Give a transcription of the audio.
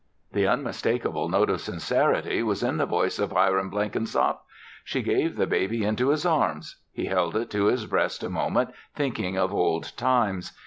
The unmistakable note of sincerity was in the voice of Hiram Blenkinsop. She gave the baby into his arms. He held it to his breast a moment thinking of old times.